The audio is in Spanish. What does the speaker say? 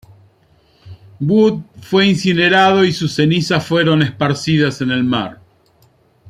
Wood fue incinerado y sus cenizas fueron esparcidas en el mar.